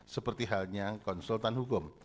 seperti halnya konsultan hukum